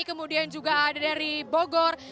kemudian juga ada dari bogor